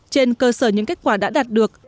trên cơ sở những kết quả đã đạt được